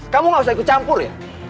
kamu gak usah ikut campur ya